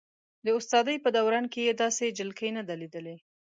د استادۍ په دوران کې یې داسې جلکۍ نه ده لیدلې.